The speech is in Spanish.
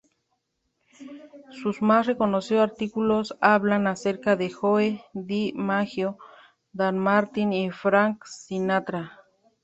Sus más reconocidos artículos hablan acerca de Joe DiMaggio, Dean Martin y Frank Sinatra.